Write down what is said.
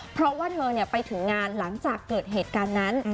เพราะว่าเธอไปถึงงานหลังจากเกิดเหตุการณ์นั้น